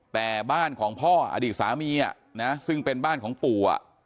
แต่บ้านของพ่ออดีตสามีซึ่งเป็นบ้านของปู่